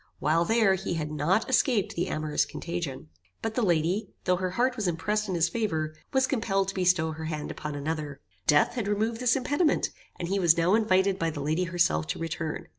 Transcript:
While there he had not escaped the amorous contagion. But the lady, though her heart was impressed in his favor, was compelled to bestow her hand upon another. Death had removed this impediment, and he was now invited by the lady herself to return.